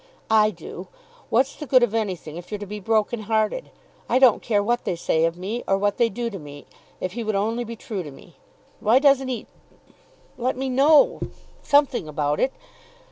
"I do. What's the good of anything if you're to be broken hearted? I don't care what they say of me, or what they do to me, if he would only be true to me. Why doesn't he let me know something about it?"